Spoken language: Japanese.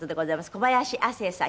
小林亜星さん